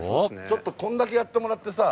ちょっとこんだけやってもらってさ。